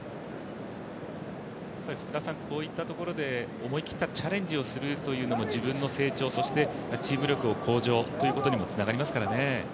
こういったところで思い切ったチャレンジをするのも自分の成長、そしてチーム力の向上にもつながりますからね？